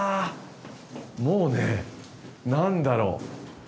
もうね何だろう